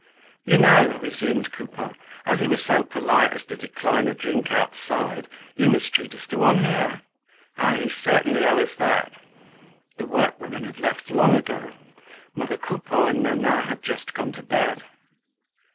"You know," resumed Coupeau, "as he was so polite as to decline a drink outside, you must treat us to one here. Ah! you certainly owe us that!" The workwomen had left long ago. Mother Coupeau and Nana had just gone to bed.